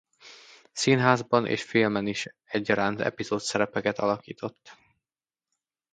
Színházban és filmen is egyaránt epizódszerepeket alakított.